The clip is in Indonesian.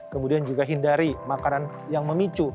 kemudian juga hindari makanan yang memicu